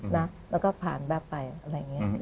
แล้วก็ผ่านแป๊บไปอะไรอย่างนี้